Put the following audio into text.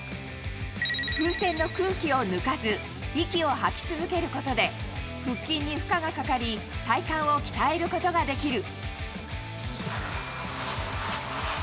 風船の空気を抜かず、息を吐き続けることで、腹筋に負荷がかかり、体幹を鍛えることができる。